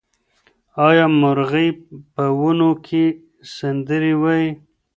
آیا مرغۍ په ونو کې سندرې وايي؟